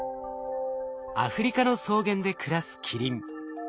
アフリカの草原で暮らすキリン。